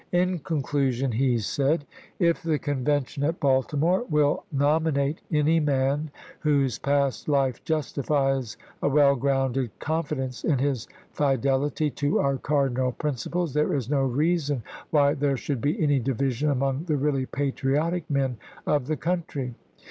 In conclusion he said :" If the Convention at Baltimore will nominate any man whose past life justifies a well grounded con fidence in his fidelity to our cardinal principles, there is no reason why there should be any division among the really patriotic men of the country.